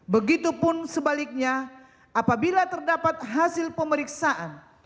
begitupun sebaliknya apabila terdapat hasil pemeriksaan